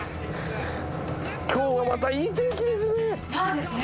今日はまたいい天気ですね！